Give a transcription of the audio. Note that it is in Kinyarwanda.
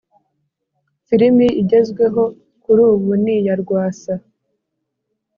filimi igezweho kuri ubu niya rwasa